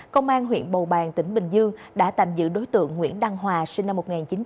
công an huyện bầu bàng tỉnh bình dương đã tạm giữ đối tượng nguyễn đăng hòa sinh năm một nghìn chín trăm tám mươi